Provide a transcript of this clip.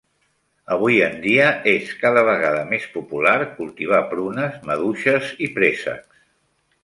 Avui en dia, és cada vegada més popular cultivar prunes, maduixes i préssecs.